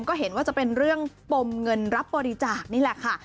ก็เห็นว่าจะเป็นเรื่องปมเงินรับบริจาคนี่แหละค่ะ